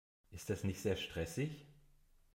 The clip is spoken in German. Ist das nicht sehr stressig?